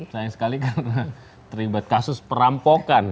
sayang sekali karena terlibat kasus perampokan